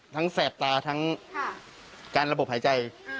แสบตาทั้งการระบบหายใจ